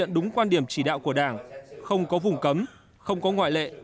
đúng quan điểm chỉ đạo của đảng không có vùng cấm không có ngoại lệ